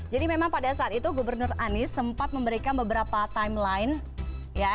jadi memang pada saat itu gubernur anies sempat memberikan beberapa timeline